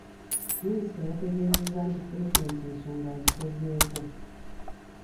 Minisita yategeezezza nti Pulezidenti ensonga azikozeeko.